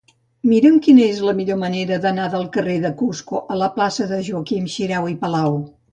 Mira'm quina és la millor manera d'anar del carrer de Cusco a la plaça de Joaquim Xirau i Palau.